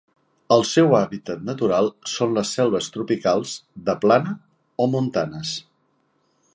El seu hàbitat natural són les selves tropicals de plana o montanes.